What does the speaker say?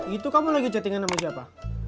gitu kamu lagi chattingan sama siapa